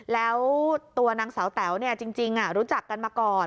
แล้วตัวนางสาวแต๋วจริงรู้จักกันมาก่อน